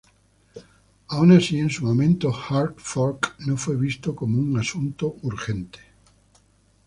Aun así, en su momento hard fork no fue visto como un asunto urgente.